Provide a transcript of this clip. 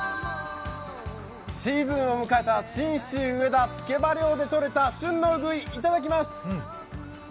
シーズンを迎えた信州・上田つけば漁でとれた旬のウグイ、いただきます！